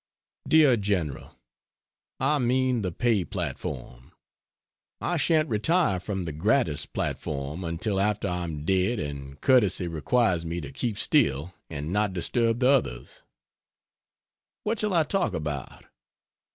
DEAR GENERAL, I mean the pay platform; I shan't retire from the gratis platform until after I am dead and courtesy requires me to keep still and not disturb the others. What shall I talk about?